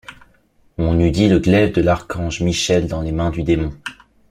On eût dit le glaive de l’archange Michel dans les mains du démon.